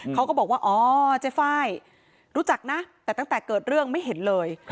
เขาก็บอกว่าอ๋อเจ๊ไฟล์รู้จักนะแต่ตั้งแต่เกิดเรื่องไม่เห็นเลย